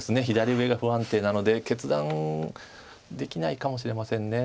左上が不安定なので決断できないかもしれません。